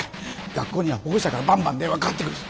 学校には保護者からバンバン電話はかかってくる。